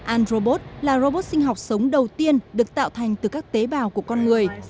androbot là robot sinh học sống đầu tiên được tạo thành từ các tế bào của con người